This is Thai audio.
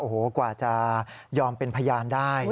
โอ้โหกว่าจะยอมเป็นพยานได้